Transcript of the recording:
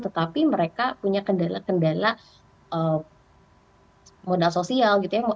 tetapi mereka punya kendala kendala modal sosial gitu ya